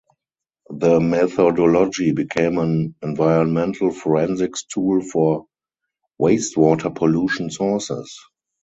The methodology became an environmental forensics tool for wastewater pollution sources.